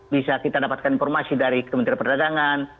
bisa kita dapatkan informasi dari kementerian perdagangan